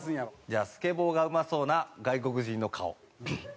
じゃあスケボーがうまそうな外国人の顔。